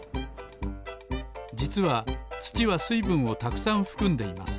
じつはつちはすいぶんをたくさんふくんでいます。